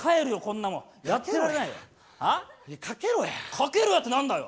かけろやって何だよ？